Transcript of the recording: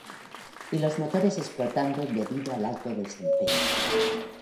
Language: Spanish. Y los motores explotando debido al alto desempeño.